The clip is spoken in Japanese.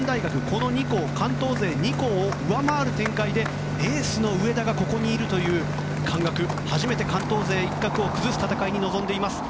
この２校、関東勢２校を上回る展開でエースの上田がいる関学、初めて関東勢一角を崩す戦いに臨んでいます。